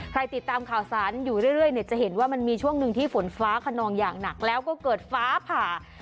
ติดตามข่าวสารอยู่เรื่อยเนี่ยจะเห็นว่ามันมีช่วงหนึ่งที่ฝนฟ้าขนองอย่างหนักแล้วก็เกิดฟ้าผ่า